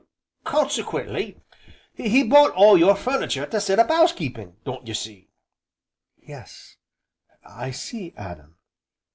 "Consequently 'e bought all your furnitur' to set up 'ousekeepin', don't ye see." "Yes, I see, Adam!"